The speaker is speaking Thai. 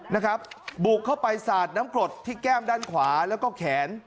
นะครับบุกเข้าไปสาดน้ำกรดที่แก้มด้านขวาแล้วก็แขน